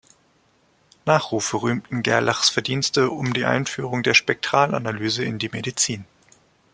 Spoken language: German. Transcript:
Nachrufe rühmten Gerlachs Verdienste um die Einführung der Spektralanalyse in die Medizin.